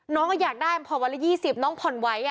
น้องก็อยากได้ผ่อนวันละ๒๐น้องผ่อนไว้